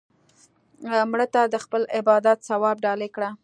مړه ته د خپل عبادت ثواب ډالۍ کړه